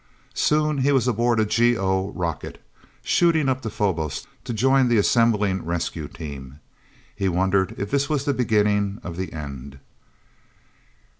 Soon, he was aboard a GO rocket, shooting up to Phobos to join the assembling rescue team. He wondered if this was the beginning of the end...